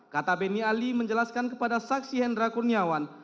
kata beni ali menjelaskan kepada saksi hendra kurniawan